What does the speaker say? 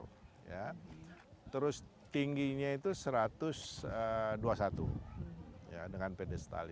pembicara lima puluh dua terus tingginya itu satu ratus dua puluh satu dengan pedestal itu